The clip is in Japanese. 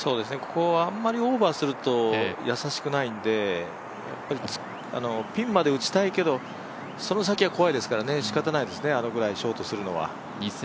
ここはあんまりオーバーすると易しくないのでやっぱりピンまで打ちたいけど、その先が怖いですから、しかたないですね、あのぐらいショートするのは。